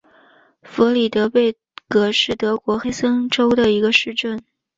弗里德贝格是德国黑森州的一个市镇。